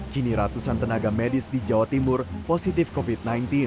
kini ratusan tenaga medis di jawa timur positif covid sembilan belas